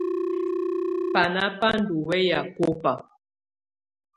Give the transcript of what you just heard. Bana ba ndù wɛya kɔba.